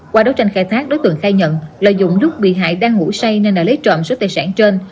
qua đấu tranh khai thác đối tượng khai nhận lợi dụng lúc bị hại đang ngủ say nên đã lấy trộm số tài sản trên